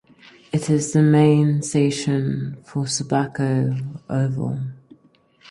It is the main station for Subiaco Oval.